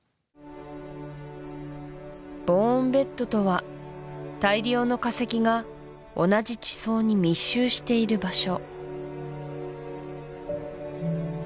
ボーンベッドとは大量の化石が同じ地層に密集している場所